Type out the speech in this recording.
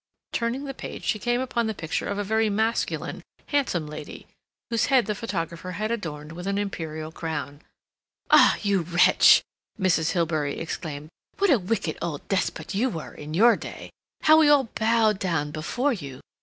Turning the page, she came upon the picture of a very masculine, handsome lady, whose head the photographer had adorned with an imperial crown. "Ah, you wretch!" Mrs. Hilbery exclaimed, "what a wicked old despot you were, in your day! How we all bowed down before you!